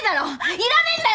いらねえんだよ